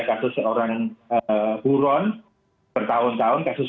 kasus seorang buron bertahun tahun kasus